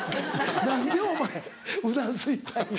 何でお前うなずいたんや。